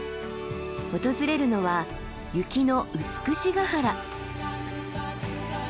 訪れるのは雪の美ヶ原。